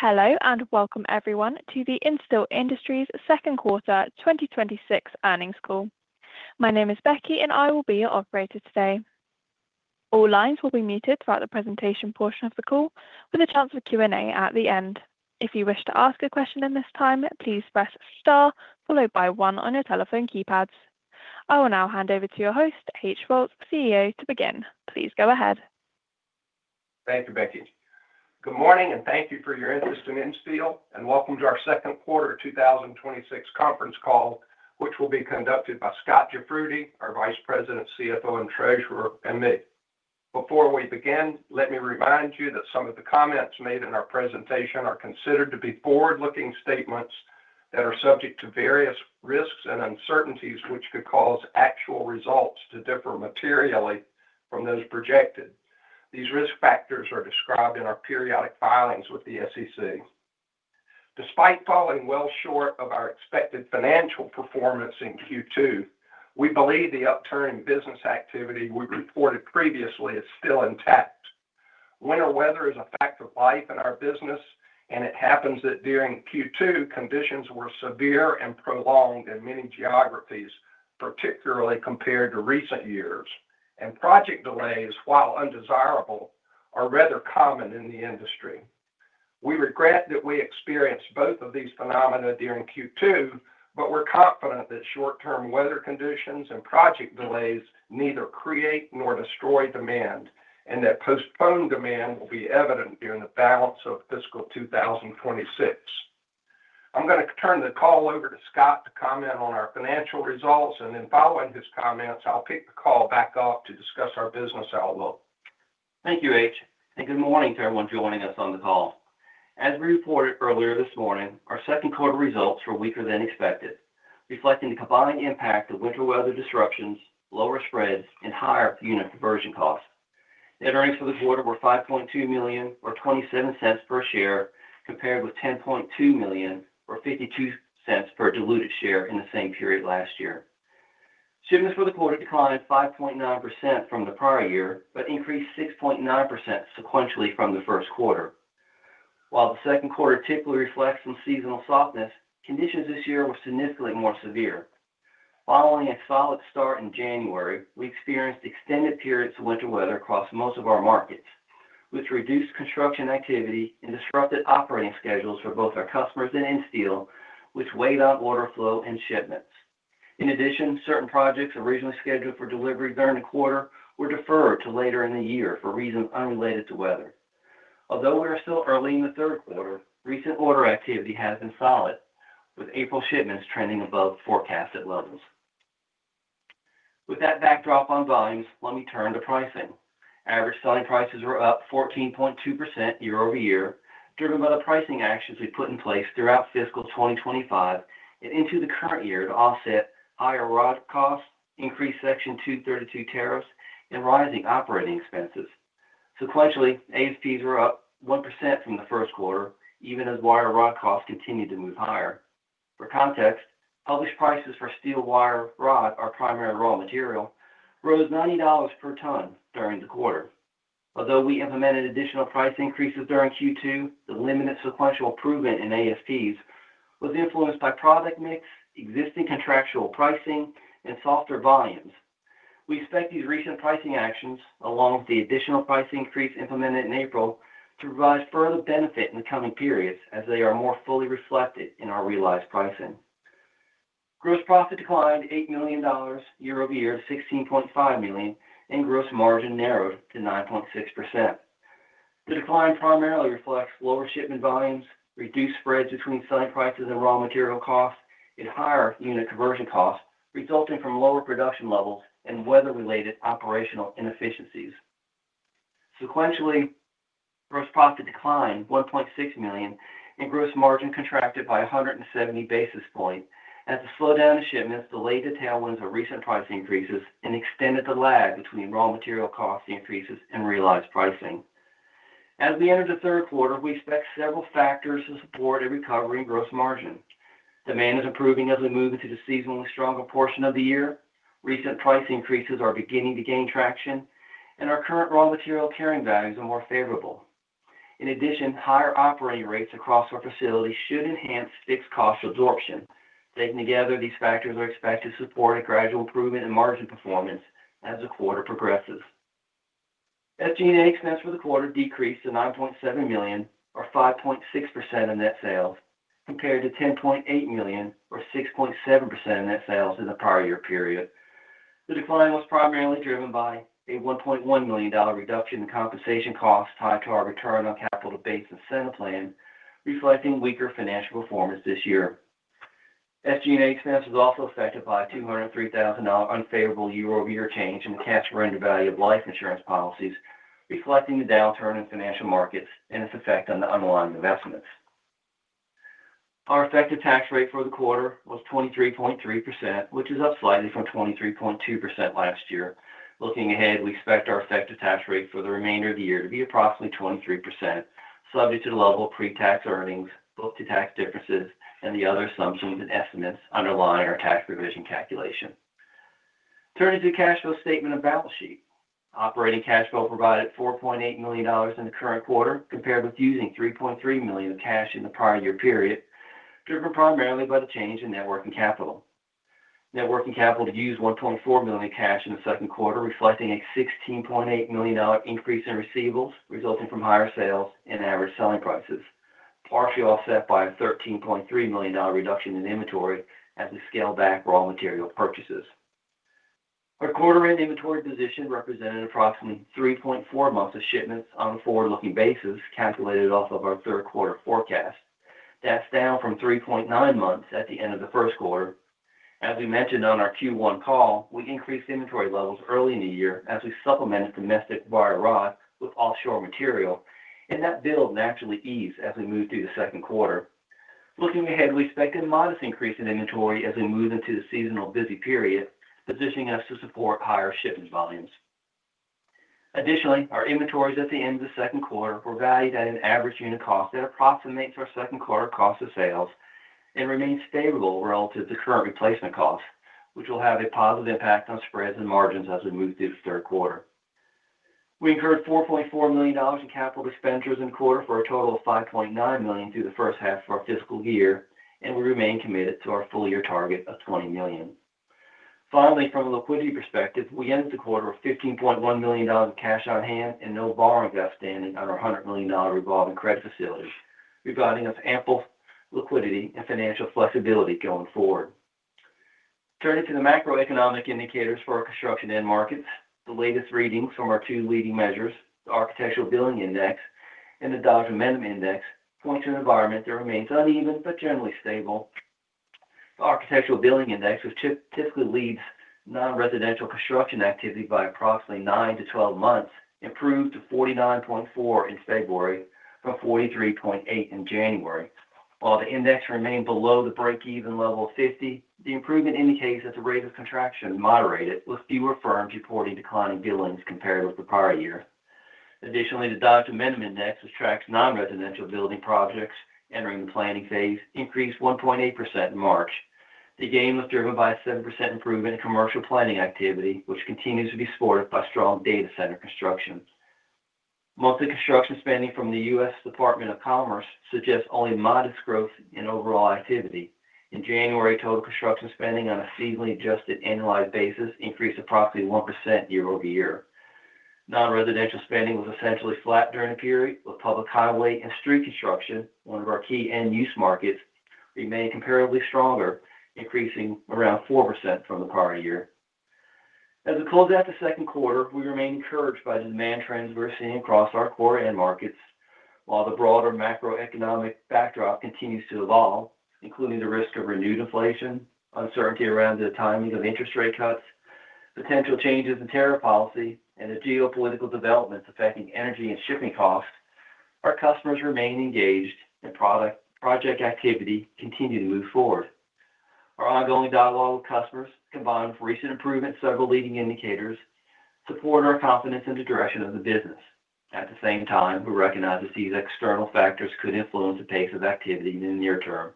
Hello and welcome everyone to the Insteel Industries second quarter 2026 earnings call. My name is Becky and I will be your operator today. All lines will be muted throughout the presentation portion of the call with a chance for Q&A at the end. If you wish to ask a question in this time, please press star followed by one on your telephone keypads. I will now hand over to your host, H.O. Woltz III, CEO to begin. Please go ahead. Thank you, Becky. Good morning, and thank you for your interest in Insteel, and welcome to our second quarter 2026 conference call, which will be conducted by Scot Jafroodi, our Vice President, CFO, and Treasurer, and me. Before we begin, let me remind you that some of the comments made in our presentation are considered to be forward-looking statements that are subject to various risks and uncertainties, which could cause actual results to differ materially from those projected. These risk factors are described in our periodic filings with the SEC. Despite falling well short of our expected financial performance in Q2, we believe the upturn in business activity we reported previously is still intact. Winter weather is a fact of life in our business, and it happens that during Q2, conditions were severe and prolonged in many geographies, particularly compared to recent years. Project delays, while undesirable, are rather common in the industry. We regret that we experienced both of these phenomena during Q2, but we're confident that short-term weather conditions and project delays neither create nor destroy demand, and that postponed demand will be evident during the balance of fiscal 2026. I'm going to turn the call over to Scot to comment on our financial results, and then following his comments, I'll pick the call back up to discuss our business outlook. Thank you, H. Good morning to everyone joining us on the call. As we reported earlier this morning, our second quarter results were weaker than expected, reflecting the combined impact of winter weather disruptions, lower spreads, and higher per unit conversion costs. Net earnings for the quarter were $5.2 million, or $0.27 per share, compared with $10.2 million or $0.52 per diluted share in the same period last year. Shipments for the quarter declined 5.9% from the prior year, but increased 6.9% sequentially from the first quarter. While the second quarter typically reflects some seasonal softness, conditions this year were significantly more severe. Following a solid start in January, we experienced extended periods of winter weather across most of our markets, which reduced construction activity and disrupted operating schedules for both our customers and Insteel, which weighed on order flow and shipments. In addition, certain projects originally scheduled for delivery during the quarter were deferred to later in the year for reasons unrelated to weather. Although we are still early in the third quarter, recent order activity has been solid, with April shipments trending above forecasted levels. With that backdrop on volumes, let me turn to pricing. Average selling prices were up 14.2% year-over-year, driven by the pricing actions we put in place throughout FY 2025 and into the current year to offset higher rod costs, increased Section 232 tariffs, and rising operating expenses. Sequentially, ASPs were up 1% from the first quarter, even as wire rod costs continued to move higher. For context, published prices for steel wire rod, our primary raw material, rose $90 per ton during the quarter. Although we implemented additional price increases during Q2, the limited sequential improvement in ASPs was influenced by product mix, existing contractual pricing, and softer volumes. We expect these recent pricing actions, along with the additional price increase implemented in April, to provide further benefit in the coming periods as they are more fully reflected in our realized pricing. Gross profit declined $8 million year-over-year to $16.5 million, and gross margin narrowed to 9.6%. The decline primarily reflects lower shipment volumes, reduced spreads between selling prices and raw material costs, and higher unit conversion costs resulting from lower production levels and weather-related operational inefficiencies. Sequentially, gross profit declined $1.6 million, and gross margin contracted by 170 basis points as the slowdown in shipments delayed the tailwinds of recent price increases and extended the lag between raw material cost increases and realized pricing. As we enter the third quarter, we expect several factors to support a recovery in gross margin. Demand is improving as we move into the seasonally stronger portion of the year. Recent price increases are beginning to gain traction, and our current raw material carrying values are more favorable. In addition, higher operating rates across our facilities should enhance fixed cost absorption. Taken together, these factors are expected to support a gradual improvement in margin performance as the quarter progresses. SG&A expense for the quarter decreased to $9.7 million or 5.6% of net sales, compared to $10.8 million or 6.7% of net sales in the prior year period. The decline was primarily driven by a $1.1 million reduction in compensation costs tied to our return on capital-based incentive plan, reflecting weaker financial performance this year. SG&A expense was also affected by a $203,000 unfavorable year-over-year change in the cash surrender value of life insurance policies, reflecting the downturn in financial markets and its effect on the underlying investments. Our effective tax rate for the quarter was 23.3%, which is up slightly from 23.2% last year. Looking ahead, we expect our effective tax rate for the remainder of the year to be approximately 23%, subject to the level of pretax earnings, book-to-tax differences, and the other assumptions and estimates underlying our tax provision calculation. Turning to the cash flow statement and balance sheet. Operating cash flow provided $4.8 million in the current quarter, compared with using $3.3 million of cash in the prior year period, driven primarily by the change in net working capital. Net working capital used $1.4 million cash in the second quarter, reflecting a $16.8 million increase in receivables resulting from higher sales and average selling prices, partially offset by a $13.3 million reduction in inventory as we scaled back raw material purchases. Our quarter-end inventory position represented approximately 3.4 months of shipments on a forward-looking basis, calculated off of our third quarter forecast. That's down from 3.9 months at the end of the first quarter. We mentioned on our Q1 call, we increased inventory levels early in the year as we supplemented domestic wire rod with offshore material, and that build naturally eased as we moved through the second quarter. Looking ahead, we expect a modest increase in inventory as we move into the seasonal busy period, positioning us to support higher shipment volumes. Additionally, our inventories at the end of the second quarter were valued at an average unit cost that approximates our second quarter cost of sales and remains favorable relative to current replacement costs, which will have a positive impact on spreads and margins as we move through the third quarter. We incurred $4.4 million in capital expenditures in the quarter for a total of $5.9 million through the first half of our fiscal year, and we remain committed to our full-year target of $20 million. Finally, from a liquidity perspective, we ended the quarter with $15.1 million of cash on hand and no borrowings outstanding on our $100 million revolving credit facility, providing us ample liquidity and financial flexibility going forward. Turning to the macroeconomic indicators for our construction end markets. The latest readings from our two leading measures, the Architectural Billings Index and the Dodge Momentum Index, point to an environment that remains uneven but generally stable. The Architectural Billings Index, which typically leads nonresidential construction activity by approximately 9-12 months, improved to 49.4 in February from 43.8 in January. While the index remained below the break-even level of 50, the improvement indicates that the rate of contraction moderated, with fewer firms reporting declining billings compared with the prior year. Additionally, the Dodge Momentum Index, which tracks nonresidential building projects entering the planning phase, increased 1.8% in March. The gain was driven by a 7% improvement in commercial planning activity, which continues to be supported by strong data center construction. Monthly construction spending from the U.S. Department of Commerce suggests only modest growth in overall activity. In January, total construction spending on a seasonally adjusted annualized basis increased approximately 1% year-over-year. Non-residential spending was essentially flat during the period, with public highway and street construction, one of our key end-use markets, remaining comparatively stronger, increasing around 4% from the prior year. As we close out the second quarter, we remain encouraged by the demand trends we're seeing across our core end markets. While the broader macroeconomic backdrop continues to evolve, including the risk of renewed inflation, uncertainty around the timing of interest rate cuts, potential changes in tariff policy, and the geopolitical developments affecting energy and shipping costs, our customers remain engaged and project activity continue to move forward. Our ongoing dialogue with customers, combined with recent improvements to several leading indicators, support our confidence in the direction of the business. At the same time, we recognize that these external factors could influence the pace of activity in the near term.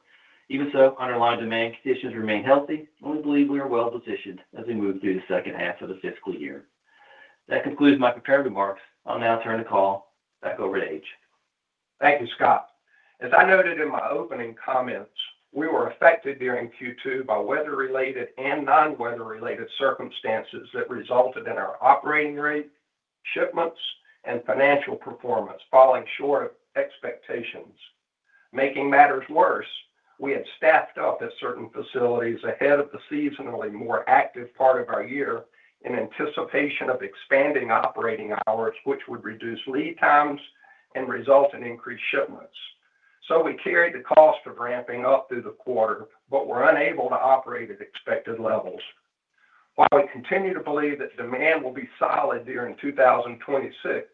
Even so, underlying demand conditions remain healthy, and we believe we are well-positioned as we move through the second half of the fiscal year. That concludes my prepared remarks. I'll now turn the call back over to H. Thank you, Scot. As I noted in my opening comments, we were affected during Q2 by weather-related and non-weather-related circumstances that resulted in our operating rate, shipments, and financial performance falling short of expectations. Making matters worse, we had staffed up at certain facilities ahead of the seasonally more active part of our year in anticipation of expanding operating hours, which would reduce lead times and result in increased shipments. We carried the cost of ramping up through the quarter, but were unable to operate at expected levels. While we continue to believe that demand will be solid during 2026,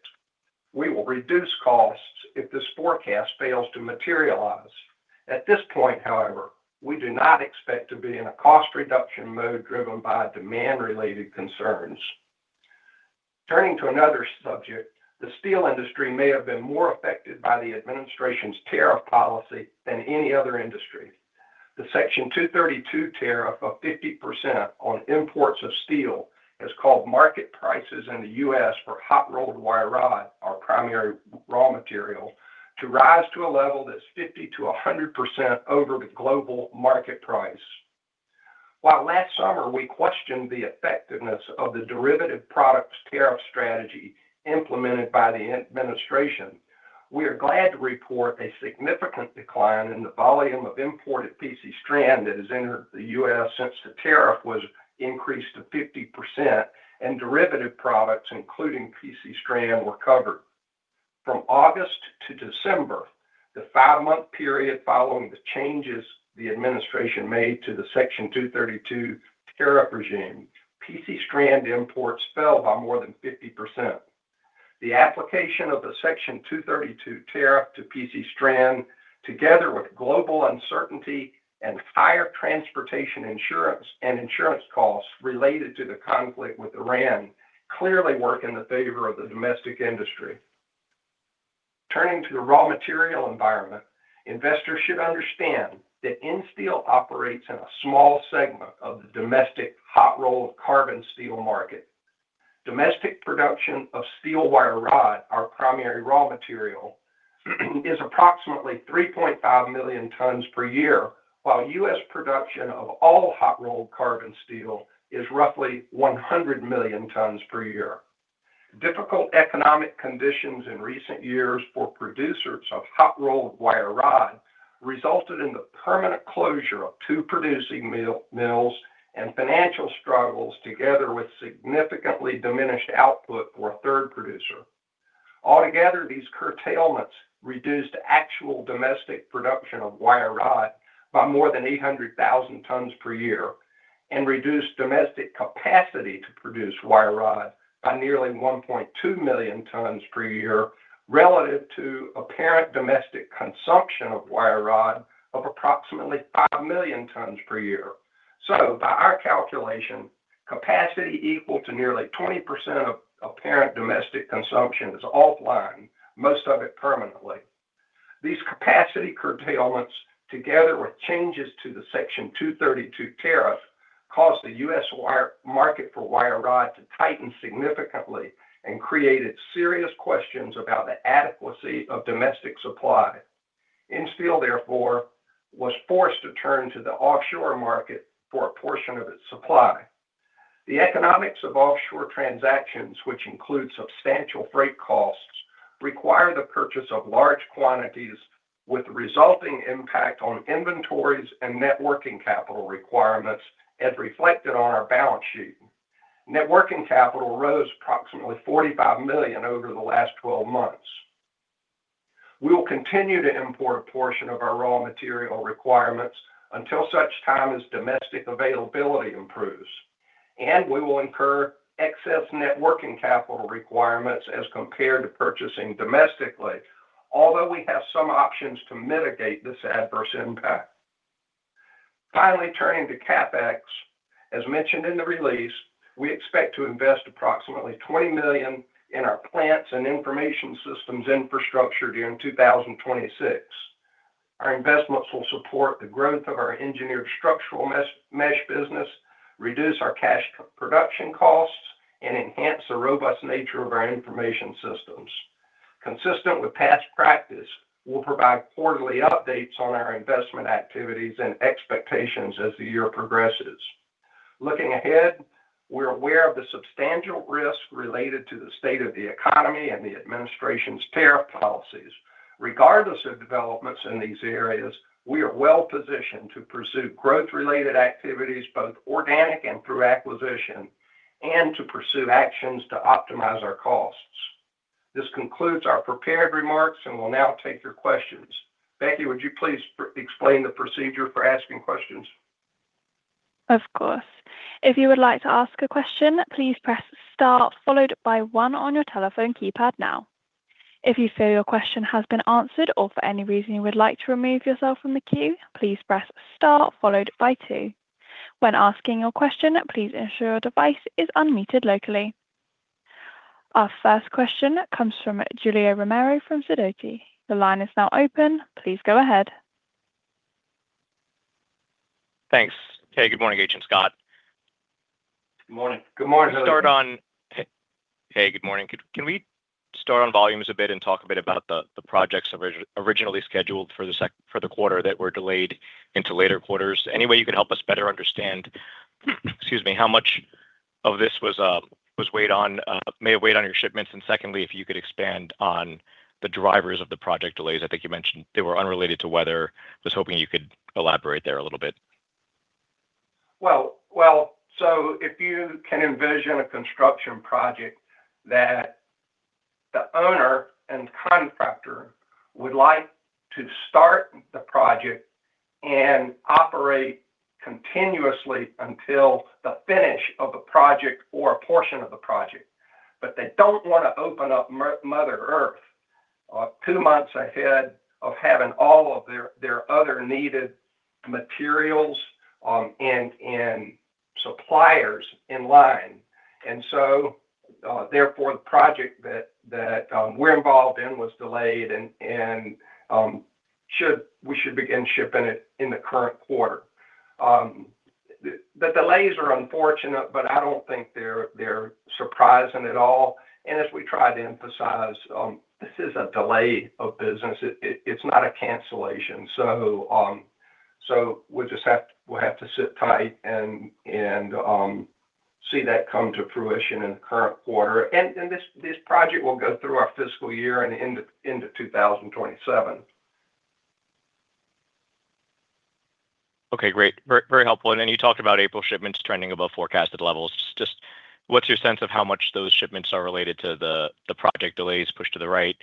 we will reduce costs if this forecast fails to materialize. At this point, however, we do not expect to be in a cost reduction mode driven by demand-related concerns. Turning to another subject, the steel industry may have been more affected by the administration's tariff policy than any other industry. The Section 232 tariff of 50% on imports of steel has caused market prices in the U.S. for hot-rolled wire rod, our primary raw material, to rise to a level that's 50% to 100% over the global market price. While last summer, we questioned the effectiveness of the derivative products tariff strategy implemented by the administration, we are glad to report a significant decline in the volume of imported PC strand that has entered the U.S. since the tariff was increased to 50% and derivative products, including PC strand, were covered. From August to December, the five-month period following the changes the administration made to the Section 232 tariff regime, PC strand imports fell by more than 50%. The application of the Section 232 tariff to PC strand, together with global uncertainty and higher transportation insurance and insurance costs related to the conflict with Iran, clearly work in the favor of the domestic industry. Turning to the raw material environment, investors should understand that Insteel operates in a small segment of the domestic hot-rolled carbon steel market. Domestic production of steel wire rod, our primary raw material, is approximately 3.5 million tons per year, while U.S. production of all hot-rolled carbon steel is roughly 100 million tons per year. Difficult economic conditions in recent years for producers of hot-rolled wire rod resulted in the permanent closure of two producing mills and financial struggles together with significantly diminished output for a third producer. Altogether, these curtailments reduced actual domestic production of wire rod by more than 800,000 tons per year and reduced domestic capacity to produce wire rod by nearly 1.2 million tons per year relative to apparent domestic consumption of wire rod of approximately 5 million tons per year. By our calculation, capacity equal to nearly 20% of apparent domestic consumption is offline, most of it permanently. These capacity curtailments, together with changes to the Section 232 tariff, caused the U.S. market for wire rod to tighten significantly and created serious questions about the adequacy of domestic supply. Insteel, therefore, was forced to turn to the offshore market for a portion of its supply. The economics of offshore transactions, which include substantial freight costs, require the purchase of large quantities with resulting impact on inventories and net working capital requirements as reflected on our balance sheet. Net working capital rose approximately $45 million over the last 12 months. We will continue to import a portion of our raw material requirements until such time as domestic availability improves. We will incur excess net working capital requirements as compared to purchasing domestically, although we have some options to mitigate this adverse impact. Finally, turning to CapEx, as mentioned in the release, we expect to invest approximately $20 million in our plants and information systems infrastructure during 2026. Our investments will support the growth of our engineered structural mesh business, reduce our cash production costs, and enhance the robust nature of our information systems. Consistent with past practice, we'll provide quarterly updates on our investment activities and expectations as the year progresses. Looking ahead, we're aware of the substantial risk related to the state of the economy and the administration's tariff policies. Regardless of developments in these areas, we are well positioned to pursue growth-related activities, both organic and through acquisition, and to pursue actions to optimize our costs. This concludes our prepared remarks, and we'll now take your questions. Becky, would you please explain the procedure for asking questions? Of course. If you would like to ask a question, please press star followed by one on your telephone keypad now. If you feel your question has been answered or for any reason you would like to remove yourself from the queue, please press star followed by two. When asking your question, please ensure your device is unmuted locally. Our first question comes from Julio Romero from Sidoti. The line is now open. Please go ahead. Thanks. Hey, good morning, H and Scot. Good morning. Hey, good morning. Can we start on volumes a bit and talk a bit about the projects originally scheduled for the quarter that were delayed into later quarters? Any way you can help us better understand, excuse me, how much of this may have weighed on your shipments? Secondly, if you could expand on the drivers of the project delays? I think you mentioned they were unrelated to weather. Just hoping you could elaborate there a little bit. Well, if you can envision a construction project that the owner and contractor would like to start the project and operate continuously until the finish of the project or a portion of the project, but they don't want to open up Mother Earth two months ahead of having all of their other needed materials and suppliers in line. Therefore, the project that we're involved in was delayed and we should begin shipping it in the current quarter. The delays are unfortunate, but I don't think they're surprising at all. As we try to emphasize, this is a delay of business. It's not a cancellation. We'll have to sit tight and see that come to fruition in the current quarter. This project will go through our FY 2026 and into 2027. Okay, great. Very helpful. You talked about April shipments trending above forecasted levels. Just what's your sense of how much those shipments are related to the project delays pushed to the right?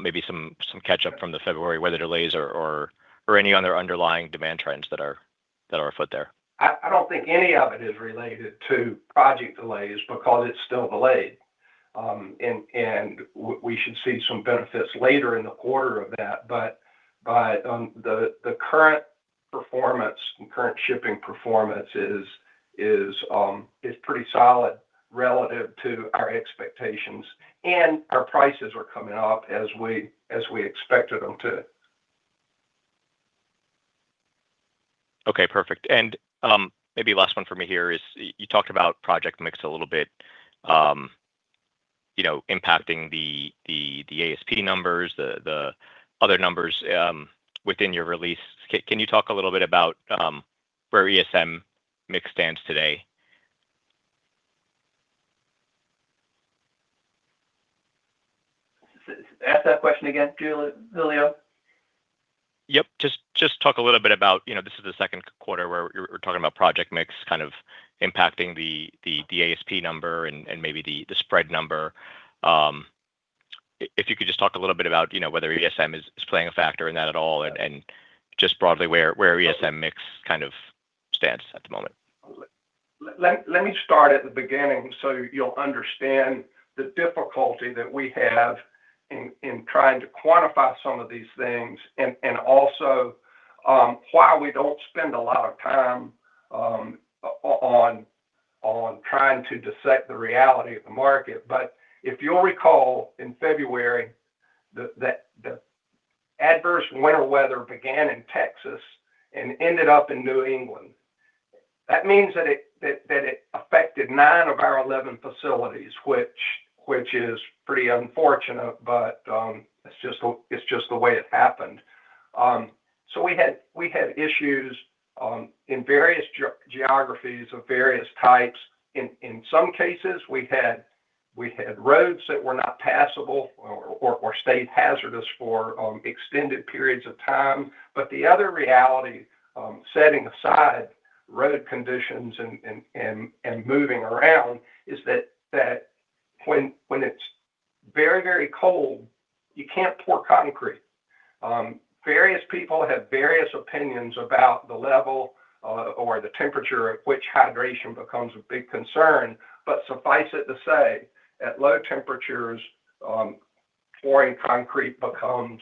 Maybe some catch-up from the February weather delays or any other underlying demand trends that are afoot there. I don't think any of it is related to project delays because it's still delayed. We should see some benefits later in the quarter of that. The current performance and current shipping performance is pretty solid relative to our expectations, and our prices are coming up as we expected them to. Okay, perfect. Maybe last one for me here is, you talked about project mix a little bit impacting the ASP numbers, the other numbers within your release. Can you talk a little bit about where ESM mix stands today? Ask that question again, Julio. Yep. Just talk a little bit about, this is the second quarter where we're talking about project mix kind of impacting the ASP number and maybe the spread number. If you could just talk a little bit about whether ESM is playing a factor in that at all, and just broadly where ESM mix kind of stands at the moment. Let me start at the beginning so you'll understand the difficulty that we have in trying to quantify some of these things, and also why we don't spend a lot of time on trying to dissect the reality of the market. If you'll recall, in February, the adverse winter weather began in Texas and ended up in New England. That means that it affected 9 of our 11 facilities, which is pretty unfortunate, but it's just the way it happened. We had issues in various geographies of various types. In some cases, we had roads that were not passable or stayed hazardous for extended periods of time. The other reality, setting aside road conditions and moving around, is that when it's very cold, you can't pour concrete. Various people have various opinions about the level or the temperature at which hydration becomes a big concern. Suffice it to say, at low temperatures, pouring concrete becomes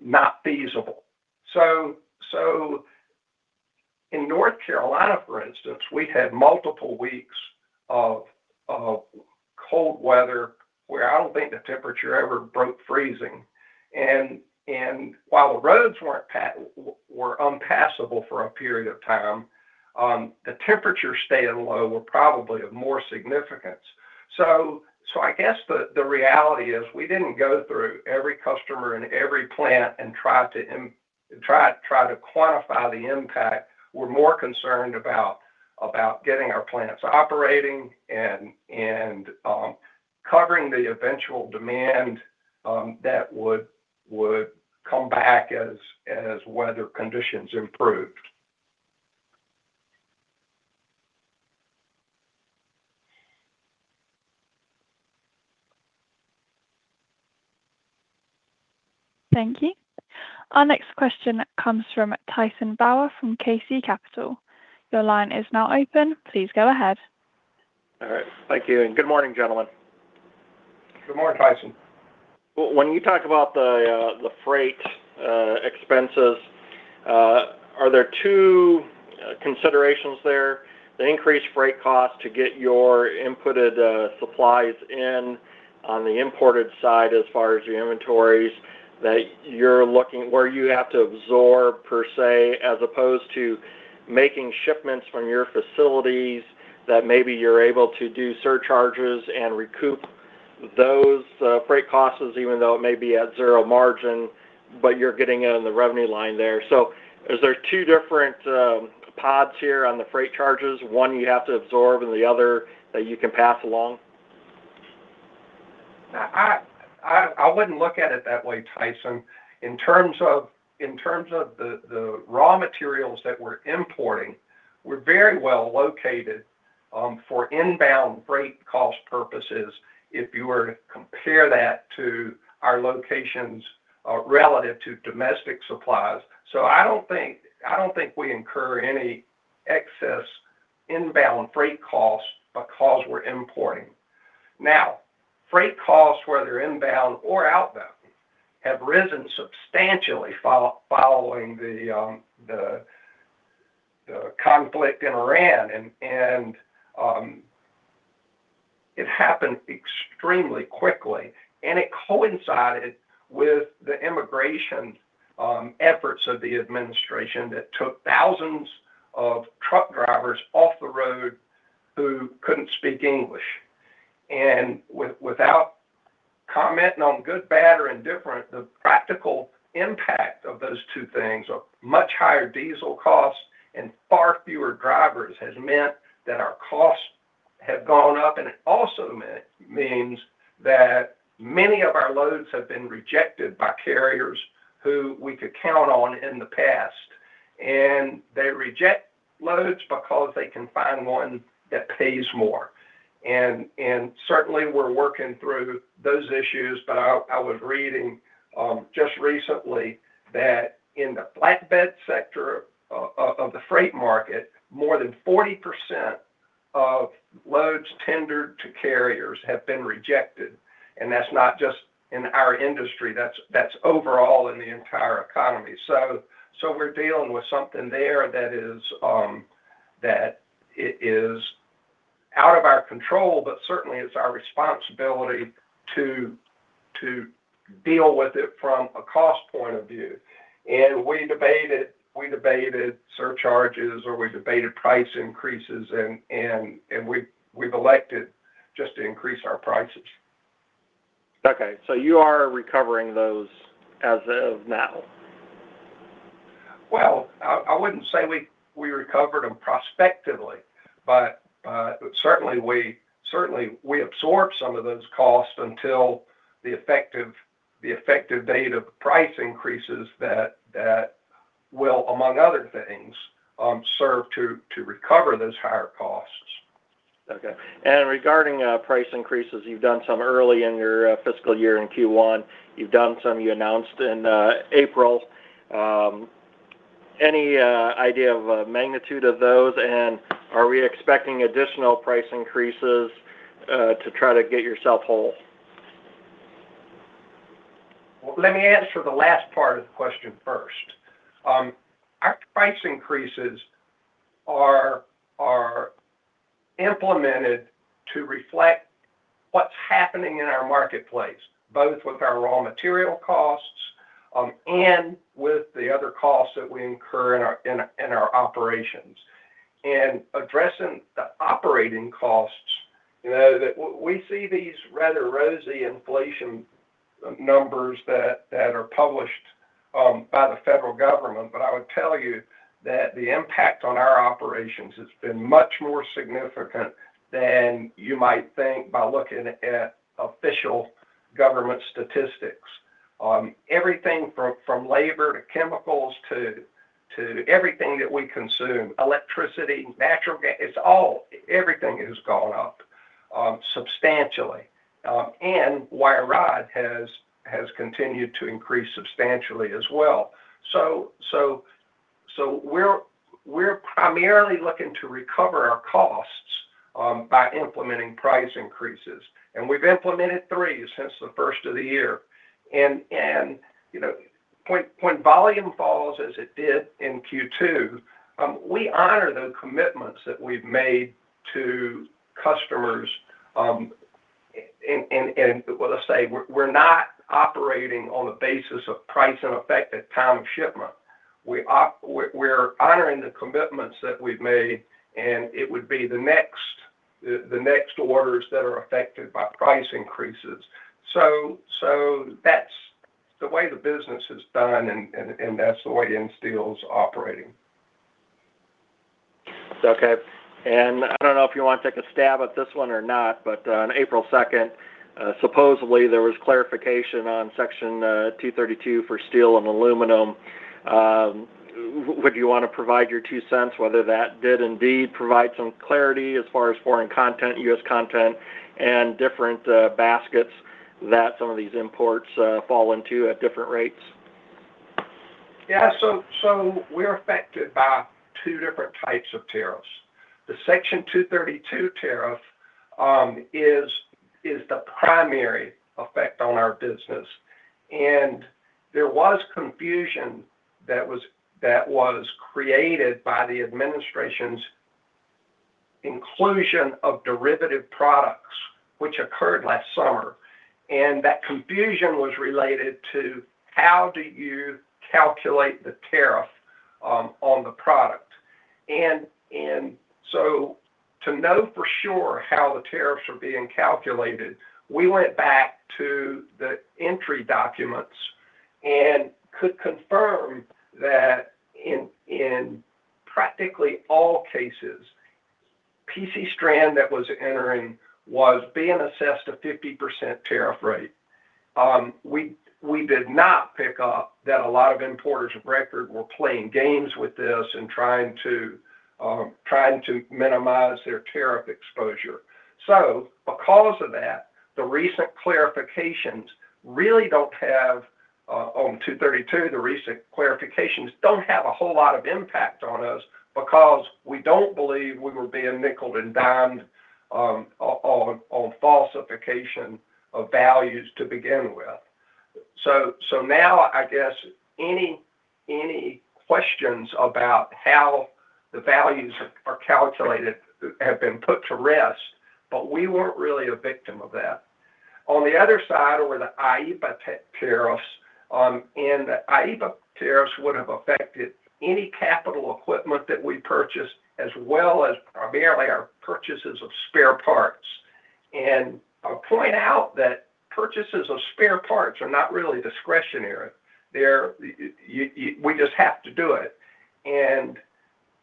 not feasible. In North Carolina, for instance, we had multiple weeks of cold weather where I don't think the temperature ever broke freezing. While the roads were impassable for a period of time, the temperature staying low were probably of more significance. I guess the reality is we didn't go through every customer and every plant and try to quantify the impact. We're more concerned about getting our plants operating and covering the eventual demand that would come back as weather conditions improved. Thank you. Our next question comes from Tyson Bauer from KC Capital. Your line is now open. Please go ahead. All right. Thank you, and good morning, gentlemen. Good morning, Tyson. When you talk about the freight expenses, are there two considerations there? The increased freight cost to get your inputted supplies in on the imported side as far as your inventories, where you have to absorb per se, as opposed to making shipments from your facilities that maybe you're able to do surcharges and recoup those freight costs, even though it may be at zero margin, but you're getting it in the revenue line there. Is there two different pots here on the freight charges, one you have to absorb and the other that you can pass along? I wouldn't look at it that way, Tyson. In terms of the raw materials that we're importing, we're very well located for inbound freight cost purposes if you were to compare that to our locations relative to domestic supplies. I don't think we incur any excess inbound freight costs because we're importing. Now, freight costs, whether inbound or outbound, have risen substantially following the conflict in Iran. It happened extremely quickly, and it coincided with the immigration efforts of the administration that took thousands of truck drivers off the road who couldn't speak English. Without commenting on good, bad, or indifferent, the practical impact of those two things of much higher diesel costs and far fewer drivers has meant that our costs have gone up. It also means that many of our loads have been rejected by carriers who we could count on in the past. They reject loads because they can find one that pays more. Certainly, we're working through those issues. I was reading just recently that in the flatbed sector of the freight market, more than 40% of loads tendered to carriers have been rejected. That's not just in our industry, that's overall in the entire economy. We're dealing with something there that is out of our control, but certainly it's our responsibility to deal with it from a cost point of view. We debated surcharges or price increases and we've elected just to increase our prices. Okay. You are recovering those as of now? Well, I wouldn't say we recovered them prospectively, but certainly we absorbed some of those costs until the effective date of price increases that will, among other things, serve to recover those higher costs. Okay. Regarding price increases, you've done some early in your fiscal year in Q1. You've done some, you announced in April. Any idea of magnitude of those and are we expecting additional price increases to try to get yourself whole? Let me answer the last part of the question first. Our price increases are implemented to reflect what's happening in our marketplace, both with our raw material costs and with the other costs that we incur in our operations. Addressing the operating costs, we see these rather rosy inflation numbers that are published by the federal government, but I would tell you that the impact on our operations has been much more significant than you might think by looking at official government statistics. Everything from labor to chemicals to everything that we consume, electricity, natural gas, it's all, everything has gone up substantially. Wire rod has continued to increase substantially as well. We're primarily looking to recover our costs by implementing price increases. We've implemented three since the first of the year. When volume falls as it did in Q2, we honor the commitments that we've made to customers and as I say, we're not operating on the basis of prices in effect at time of shipment. We're honoring the commitments that we've made and it would be the next orders that are affected by price increases. That's the way the business is done and that's the way Insteel's operating. Okay. I don't know if you want to take a stab at this one or not, but on April 2nd, supposedly there was clarification on Section 232 for steel and aluminum. Would you want to provide your two cents whether that did indeed provide some clarity as far as foreign content, U.S. content, and different baskets that some of these imports fall into at different rates? Yeah. We're affected by two different types of tariffs. The Section 232 tariff is the primary effect on our business. There was confusion that was created by the administration's inclusion of derivative products, which occurred last summer. That confusion was related to how do you calculate the tariff on the product. To know for sure how the tariffs are being calculated, we went back to the entry documents and could confirm that in practically all cases, PC strand that was entering was being assessed a 50% tariff rate. We did not pick up that a lot of importers of record were playing games with this and trying to minimize their tariff exposure. Because of that, the recent clarifications on 232 don't have a whole lot of impact on us because we don't believe we were being nickeled and dimed on falsification of values to begin with. Now I guess any questions about how the values are calculated have been put to rest, but we weren't really a victim of that. On the other side were the IEEPA tariffs and the IEEPA tariffs would have affected any capital equipment that we purchased as well as primarily our purchases of spare parts. I'll point out that purchases of spare parts are not really discretionary. We just have to do it.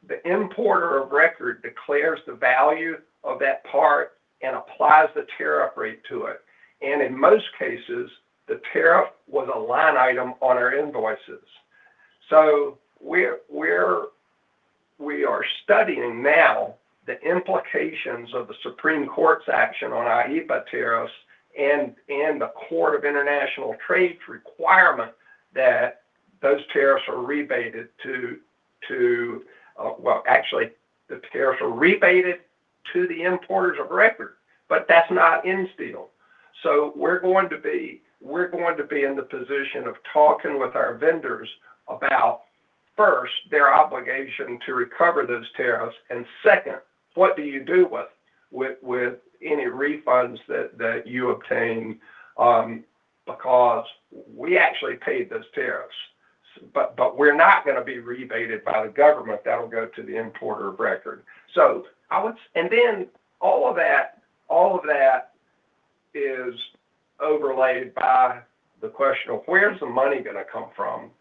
The importer of record declares the value of that part and applies the tariff rate to it. In most cases, the tariff was a line item on our invoices. We are studying now the implications of the Supreme Court's action on IEEPA tariffs and the Court of International Trade's requirement that those tariffs are rebated to... Well, actually, the tariffs are rebated to the importers of record, but that's not Insteel. We're going to be in the position of talking with our vendors about, first, their obligation to recover those tariffs. Second, what do you do with any refunds that you obtain? Because we actually paid those tariffs, but we're not going to be rebated by the government. That'll go to the importer of record. All of that is overlaid by the question of where's the money going to come from?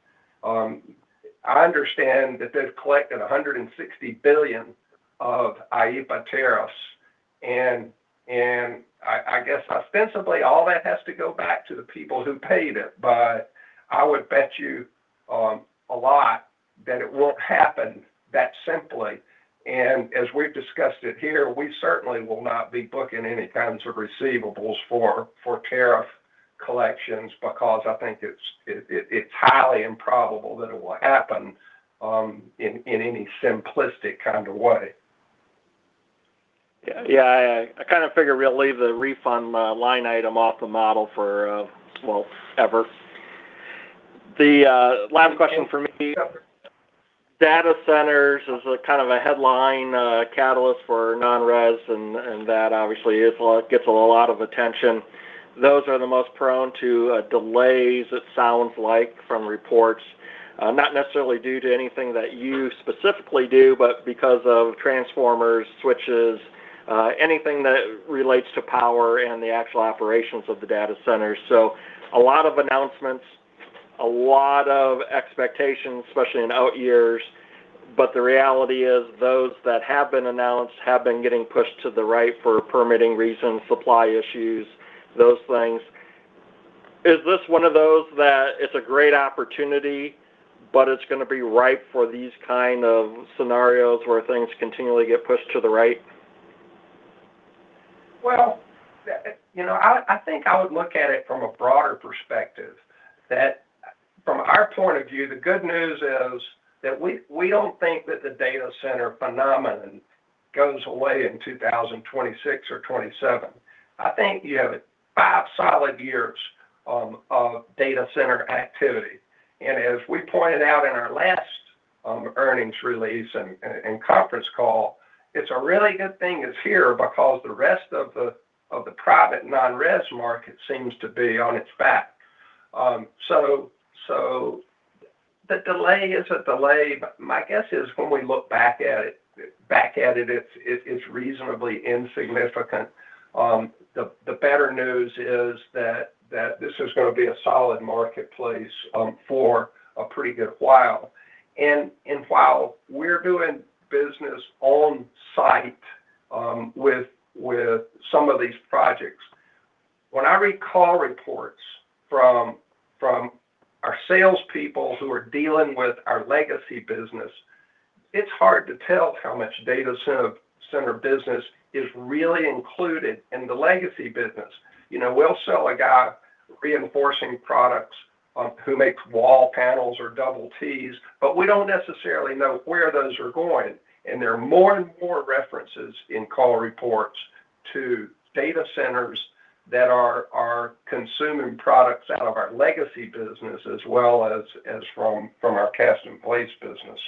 I understand that they've collected $160 billion of IEEPA tariffs, and I guess ostensibly, all that has to go back to the people who paid it, but I would bet you a lot that it won't happen that simply. As we've discussed it here, we certainly will not be booking any kinds of receivables for tariff collections because I think it's highly improbable that it will happen in any simplistic kind of way. Yeah. I kind of figured we'll leave the refund line item off the model for, well, ever. The last question from me. Yeah. Data centers is a kind of a headline catalyst for non-res, and that obviously gets a lot of attention. Those are the most prone to delays, it sounds like from reports. Not necessarily due to anything that you specifically do, but because of transformers, switches, anything that relates to power and the actual operations of the data centers. A lot of announcements, a lot of expectations, especially in outyears. The reality is those that have been announced have been getting pushed to the right for permitting reasons, supply issues, those things. Is this one of those that it's a great opportunity, but it's going to be ripe for these kind of scenarios where things continually get pushed to the right? Well, I think I would look at it from a broader perspective. That from our point of view, the good news is that we don't think that the data center phenomenon goes away in 2026 or 2027. I think you have five solid years of data center activity. As we pointed out in our last earnings release and conference call, it's a really good thing it's here because the rest of the private non-res market seems to be on its back. The delay is a delay, but my guess is when we look back at it's reasonably insignificant. The better news is that this is going to be a solid marketplace for a pretty good while. While we're doing business on site with some of these projects, when I read call reports from our salespeople who are dealing with our legacy business, it's hard to tell how much data center business is really included in the legacy business. We'll sell a guy reinforcing products who makes wall panels or double T's, but we don't necessarily know where those are going. There are more and more references in call reports to data centers that are consuming products out of our legacy business as well as from our cast in place business.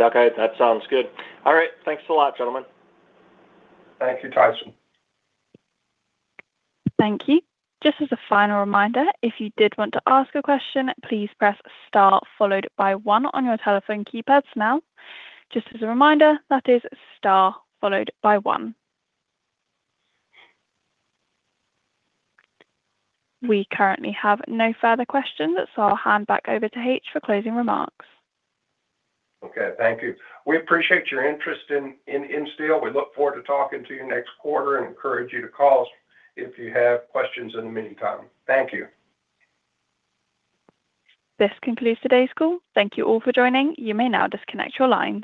Okay, that sounds good. All right. Thanks a lot, gentlemen. Thank you, Tyson. Thank you. Just as a final reminder, if you did want to ask a question, please press star followed by one on your telephone keypads now. Just as a reminder, that is star followed by one. We currently have no further questions, so I'll hand back over to H for closing remarks. Okay. Thank you. We appreciate your interest in Insteel. We look forward to talking to you next quarter and encourage you to call us if you have questions in the meantime. Thank you. This concludes today's call. Thank you all for joining. You may now disconnect your lines.